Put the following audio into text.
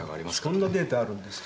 そんなデータあるんですか？